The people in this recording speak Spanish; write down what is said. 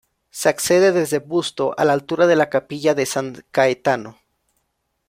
Se accede desde Busto, a la altura de la capilla de San Caetano.